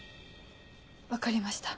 分かりました。